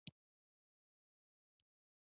دا هغه څه دي چې ما له تیمورشاه څخه ولیدل.